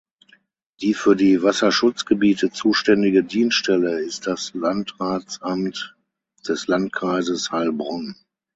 Die für die Wasserschutzgebiete zuständige Dienststelle ist das Landratsamt des Landkreises Heilbronn.